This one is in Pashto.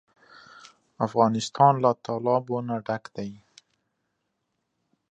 افغانستان له تالابونه ډک دی.